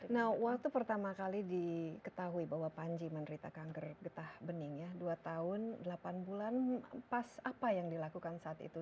nah waktu pertama kali diketahui bahwa panji menderita kanker getah bening ya dua tahun delapan bulan pas apa yang dilakukan saat itu